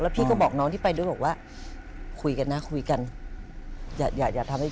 พี่ก็บอกน้องที่ไปด้วยว่าสม